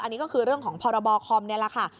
อันนี้ก็คือเรื่องของพรบคอมนี่แหละค่ะ